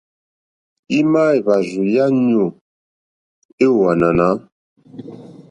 Ima èhvàrzù ya nyoò e ò ànànà?